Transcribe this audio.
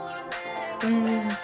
うん。